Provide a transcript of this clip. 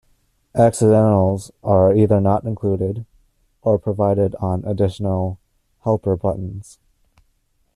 Accidentals are either not included or provided on additional "helper" buttons.